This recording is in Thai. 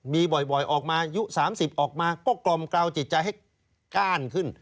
มีบ่อยออกมาอายุ๓๐ออกมาก็กล่อมกราวจิตใจให้ก้านขึ้น